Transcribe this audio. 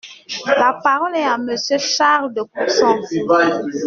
La parole est à Monsieur Charles de Courson.